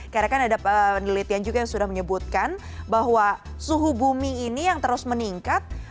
karena kan ada penelitian juga yang sudah menyebutkan bahwa suhu bumi ini yang terus meningkat